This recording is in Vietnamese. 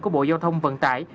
của bộ giao thông vận tải